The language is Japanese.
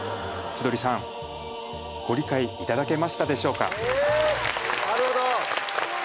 千鳥さんご理解いただけましたでしょうかうわ